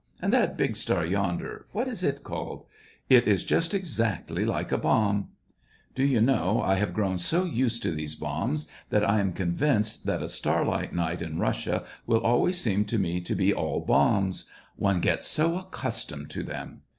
And that big star yonder, what is it called ? It is just exactly like a bomb." Do you know, I have grown so used to these bombs that I am convinced that a starlight night in Russia will always seem to me to be all bombs ; one gets so accustomed to them."